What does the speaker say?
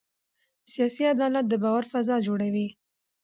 سیاسي عدالت د باور فضا جوړوي